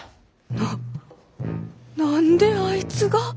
な何であいつが。